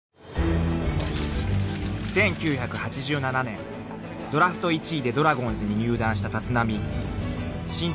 ［１９８７年ドラフト１位でドラゴンズに入団した立浪］